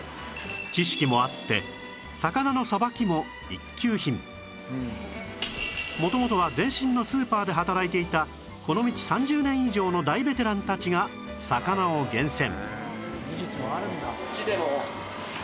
知識もあって元々は前身のスーパーで働いていたこの道３０年以上の大ベテランたちが魚を厳選